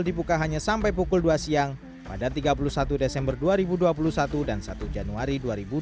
dibuka hanya sampai pukul dua siang pada tiga puluh satu desember dua ribu dua puluh satu dan satu januari dua ribu dua puluh